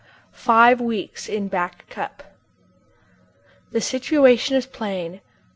FIVE WEEKS IN BACK CUP. The situation is plain.